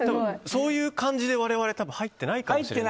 そういう感じで我々は多分、入ってないから。